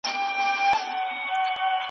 شیخ چې دېرشت روژې پوره کړ